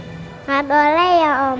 gak boleh ya om